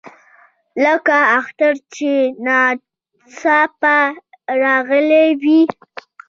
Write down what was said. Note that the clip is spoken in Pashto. لکه اختر چې ناڅاپه راغلی وي.